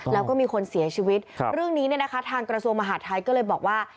แล้วก็มีคนเสียชีวิตเรื่องนี้เนี่ยนะคะทางกระทรวงมหาดไทยก็เลยบอกว่า